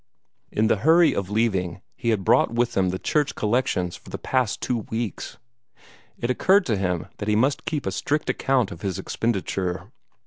In the hurry of leaving he had brought with him the church collections for the past two weeks. It occurred to him that he must keep a strict account of his expenditure.